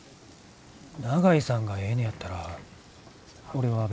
長井さんがええねやったら俺は別に。